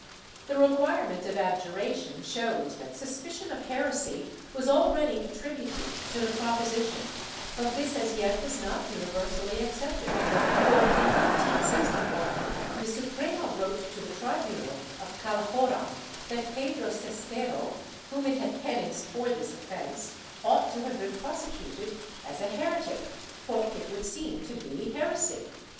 ^ The re quirement of abjuration shows that suspicion of heresy was already attributed to the proposition, but this as yet was not universally accepted for, in 1561, the Suprema wrote to the tribunal of Cala horra that Pedro Cestero, whom it had penanced for this ofTence, ought to have been prosecuted as a heretic, for it would seem to be heresy.